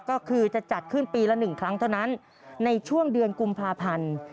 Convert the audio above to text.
ก็คือจะจัดขึ้นปีละ๑ครั้งเท่านั้นในช่วงเดือนกุมภาพันธ์